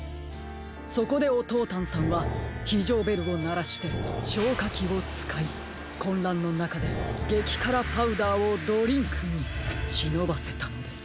そこでオトータンさんはひじょうベルをならしてしょうかきをつかいこんらんのなかでげきからパウダーをドリンクにしのばせたのです。